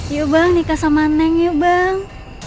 yuk bang nika sama neng yuk bang